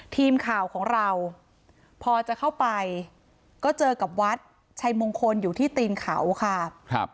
ทีมข่าวของเราพอจะเข้าไปก็เจอกับวัดชัยมงคลอยู่ที่ตีนเขาค่ะ